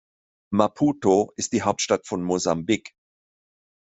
Maputo ist die Hauptstadt von Mosambik.